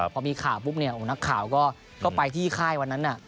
พอมีข่าวปุ๊บเนี่ยนักข่าวก็ไปที่ค่ายวันนั้น